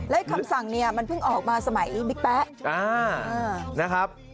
และคำสั่งเนี่ยมันเพิ่งออกมาสมัยบิ๊กแป๊ะนะครับ